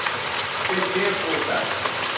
یے چئے پوتہ